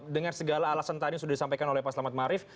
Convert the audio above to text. dengan segala alasan tadi sudah disampaikan oleh pak selamat marif